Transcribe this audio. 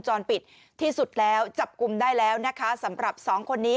จรปิดที่สุดแล้วจับกลุ่มได้แล้วนะคะสำหรับสองคนนี้